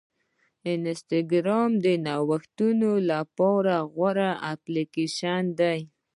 انسټاګرام د نوښتګرو لپاره غوره اپلیکیشن دی.